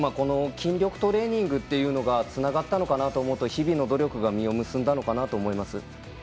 筋力トレーニングがつながったのかなと思うと日々の努力が実を結んだのかなと思います。